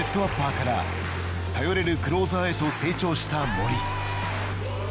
アッパーから頼れるクローザーへと成長した森。